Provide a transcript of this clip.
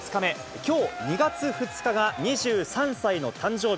きょう２月２日が２３歳の誕生日。